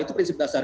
itu prinsip dasar